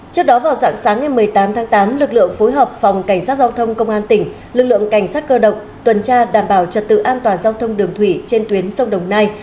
trước đó vào dạng sáng ngày một mươi tám tháng tám lực lượng phối hợp phòng cảnh sát giao thông công an tỉnh lực lượng cảnh sát cơ động tuần tra đảm bảo trật tự an toàn giao thông đường thủy trên tuyến sông đồng nai